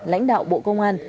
lãnh đạo bộ công an